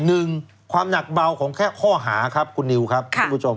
หนึ่งความหนักเบาของแค่ข้อหาครับคุณนิวครับคุณผู้ชม